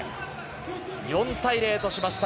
４対０としました。